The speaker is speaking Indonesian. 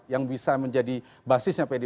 yang bisa menjadi basis yang lebih kuat